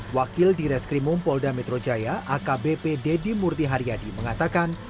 wakil di reskrimum polda metro jaya akbp deddy murti haryadi mengatakan